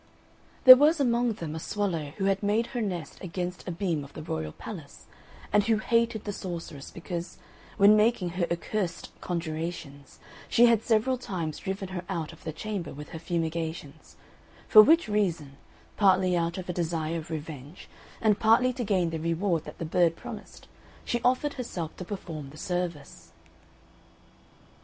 There was among them a swallow who had made her nest against a beam of the royal palace, and who hated the sorceress, because, when making her accursed conjurations, she had several times driven her out of the chamber with her fumigations; for which reason, partly out of a desire of revenge, and partly to gain the reward that the bird promised, she offered herself to perform the service.